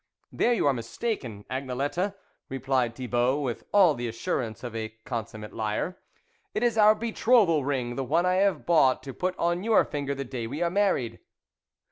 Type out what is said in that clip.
" There you are mistaken, Agnelette," replied Thibault with all the assurance of a consummate liar, "it is our betrothal ring, the one I have bought to put on your fin ger the day we are married."